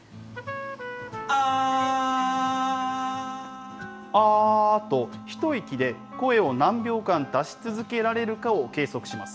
あーと、一息で声を何秒間出し続けられるかを計測します。